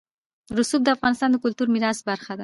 رسوب د افغانستان د کلتوري میراث برخه ده.